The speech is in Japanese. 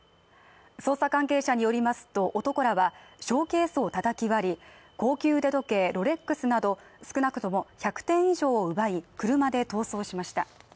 捜査関係者によりますと男らはショーケースをたたき割り、高級腕時計ロレックスなど少なくとも１００点以上を奪い、車で逃走しました。